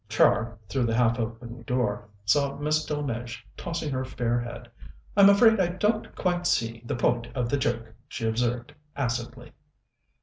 Char, through the half open door, saw Miss Delmege tossing her fair head. "I'm afraid I don't quite see the point of the joke," she observed acidly.